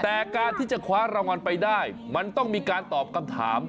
แต่การที่จะคว้ารางวัลไปได้มันต้องมีการตอบคำถาม